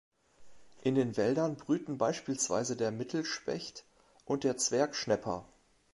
In den Wäldern brüten beispielsweise der Mittelspecht und der Zwergschnäpper.